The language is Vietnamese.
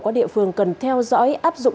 các địa phương cần theo dõi áp dụng